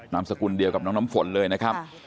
มสกุลเดียวกับน้องน้ำฝนเลยนะครับ